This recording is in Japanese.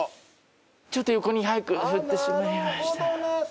ちょっと横に早く振ってしまいました。